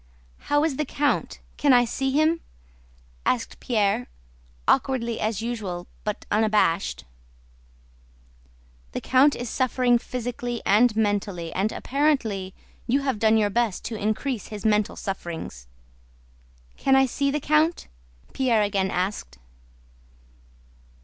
"How is the count? Can I see him?" asked Pierre, awkwardly as usual, but unabashed. "The count is suffering physically and mentally, and apparently you have done your best to increase his mental sufferings." "Can I see the count?" Pierre again asked.